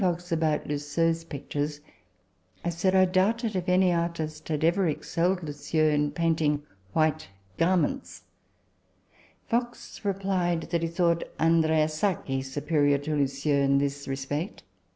Once, at Paris, talking to Fox about Le Sueur's pictures, I said that I doubted if any artist had ever excelled Le Sueur in painting white garments. Fox replied that he thought Andrea Sacchi superior to Le Sueur in this respect.